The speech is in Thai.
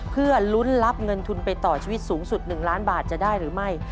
เพื่อลุ้นรับเงินทุนไปต่อชีวิตสูงสุด๑ล้านบาทจะได้หรือไม่